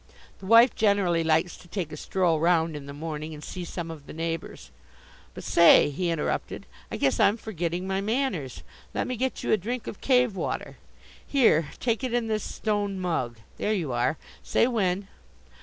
The wife generally likes to take a stroll round in the morning and see some of the neighbours. But, say," he interrupted, "I guess I'm forgetting my manners. Let me get you a drink of cave water. Here, take it in this stone mug! There you are, say when!